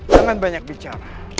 jangan banyak bicara